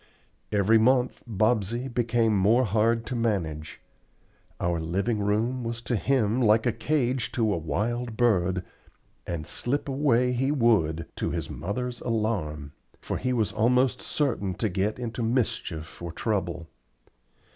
Every month Bobsey became more hard to manage. Our living room was to him like a cage to a wild bird, and slip away he would, to his mother's alarm; for he was almost certain to get into mischief or trouble.